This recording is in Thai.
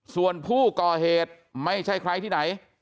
ส่วนผู้ก่อเหตุไม่ใช่ใครที่ไหน